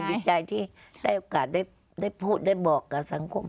ดีใจที่ได้โอกาสได้พูดได้บอกกับสังคม